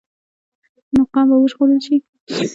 نو قام به وژغورل شي.